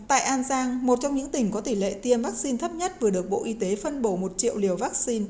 tại an giang một trong những tỉnh có tỷ lệ tiêm vaccine thấp nhất vừa được bộ y tế phân bổ một triệu liều vaccine